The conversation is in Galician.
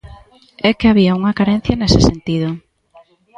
É que había unha carencia nese sentido.